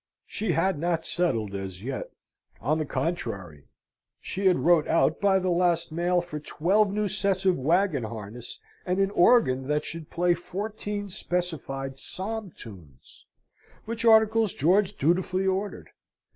She had not settled as yet; on the contrary, she had wrote out by the last mail for twelve new sets of waggon harness, and an organ that should play fourteen specified psalm tunes: which articles George dutifully ordered.